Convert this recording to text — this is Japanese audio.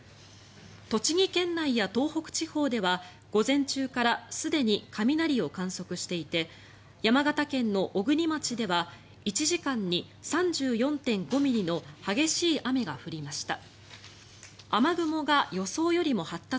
栃木県内や東北地方では午前中からすでに雷を観測していて山形県の小国町では１時間に３４．５ミリの激しい雨が降りました。